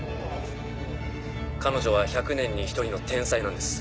彼女は１００年に１人の天才なんです。